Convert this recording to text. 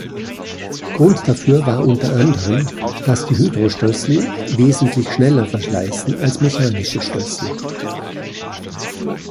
Grund dafür war unter anderem, dass die Hydrostößel wesentlich schneller verschleißen als mechanische Stößel.